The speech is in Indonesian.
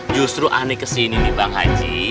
justru aneh kesini nih bang haji